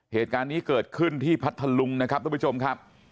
เหตุการณ์นี้เกิดขึ้นที่พัทธลุงนะครับทุกผู้ชมครับ